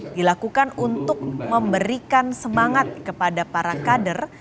dilakukan untuk memberikan semangat kepada para kader